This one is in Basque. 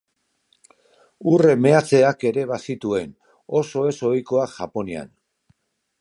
Urre meatzeak ere bazituen, oso ez ohikoak Japonian.